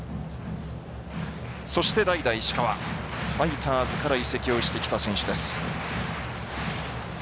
そして代打石川ファイターズから移籍してきた選手です。